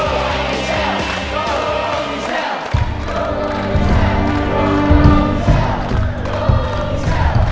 setidaktiga kalo mih classic pak mirip kayak nunggu gacok